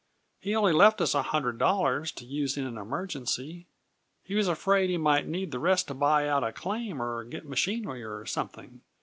He only left us a hundred dollars, to use in an emergency! He was afraid he might need the rest to buy out a claim or get machinery or something.